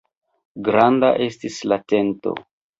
Granda estis la tento.